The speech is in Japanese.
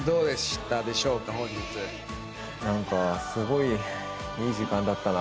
何かすごいいい時間だったな。